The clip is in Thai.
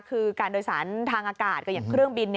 คือการโดยสารทางอากาศกับอย่างเครื่องบิน